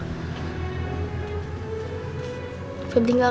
kalau ada yang salah sama ibu febri boleh kasih tau